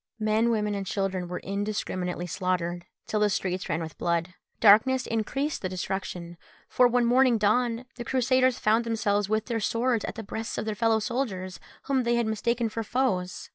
Men, women, and children were indiscriminately slaughtered, till the streets ran with blood. Darkness increased the destruction, for when morning dawned the Crusaders found themselves with their swords at the breasts of their fellow soldiers, whom they had mistaken for foes.